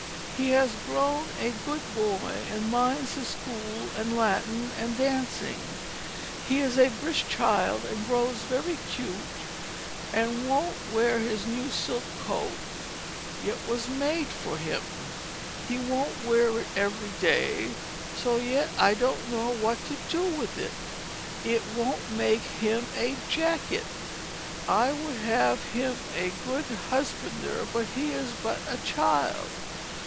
He has grown a good boy and minds his School and Lattin and Dancing. He is a brisk Child & grows very Cute and wont wear his new silk coat yt was made for him. He wont wear it every day so yt I don't know what to do with it. It wont make him a jackitt. I would have him a good husbander but he is but a child.